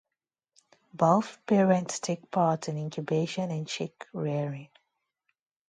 Both parents take part in incubation and chick rearing.